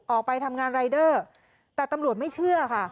ออกไปทำงานรายเดอร์แต่ตำรวจไม่เชื่อค่ะ